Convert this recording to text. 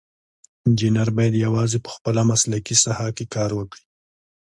انجینر باید یوازې په خپله مسلکي ساحه کې کار وکړي.